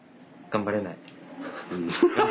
頑張らない。